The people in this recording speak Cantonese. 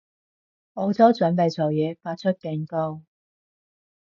澳洲準備做嘢，發出警告